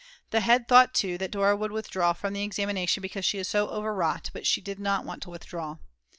The head thought too that Dora would withdraw from the examination because she is so overwrought, but she did not want to withdraw.